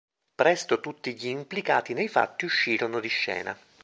Presto tutti gli implicati nei fatti uscirono di scena.